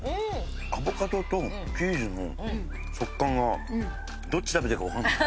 アボカドとチーズの食感がどっち食べてるか分かんない。